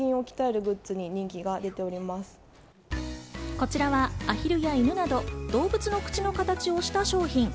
こちらはアヒルや犬など、動物の口の形をした商品。